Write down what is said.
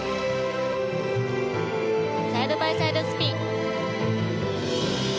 サイドバイサイドスピン。